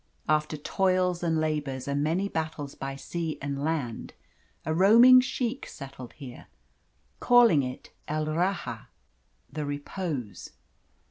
After toils and labours, and many battles by sea and land, a roaming sheikh settled here, calling it El Rahah the Repose.